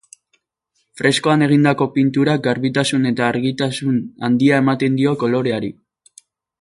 Freskoan egindako pinturak garbitasun eta argitasun handia ematen dio koloreari.